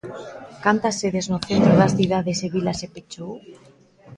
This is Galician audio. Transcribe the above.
Cantas sedes no centro das cidades e vilas se pechou?